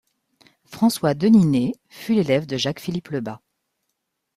François Denis Née fut l'élève de Jacques-Philippe Le Bas.